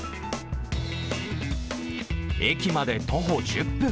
駅まで徒歩１０分。